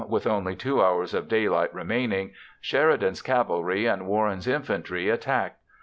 with only 2 hours of daylight remaining, Sheridan's cavalry and Warren's infantry attacked.